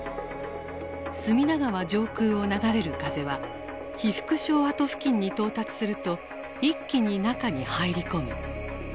隅田川上空を流れる風は被服廠跡付近に到達すると一気に中に入り込む。